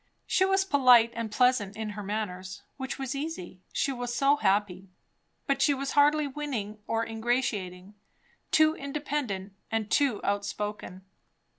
She was polite and pleasant in her manners, which was easy, she was so happy; but she was hardly winning or ingratiating; too independent; and too outspoken.